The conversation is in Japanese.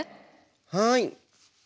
はい。